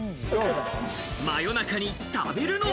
真夜中に食べるのは。